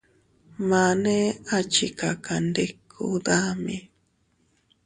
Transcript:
Mane a chikakandiku dami.